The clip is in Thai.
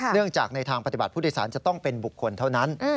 เนื่องจากในทางปฏิบัติผู้โดยสารจะต้องเป็นบุคคลเท่านั้น